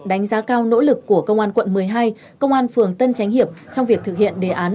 đánh giá cao nỗ lực của công an quận một mươi hai công an phường tân chánh hiệp trong việc thực hiện đề án